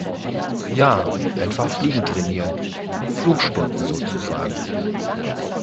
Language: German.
Ja, einfach fliegen trainieren. Flugstunden sozusagen.